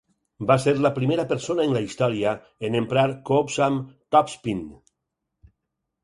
Va ser la primera persona en la història en emprar cops amb topspin.